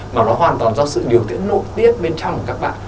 mà nó hoàn toàn do sự điều tiễn nội tiết bên trong của các bạn